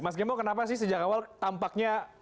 mas gembong kenapa sih sejak awal tampaknya